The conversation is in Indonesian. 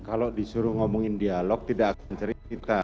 kalau disuruh ngomongin dialog tidak akan cerita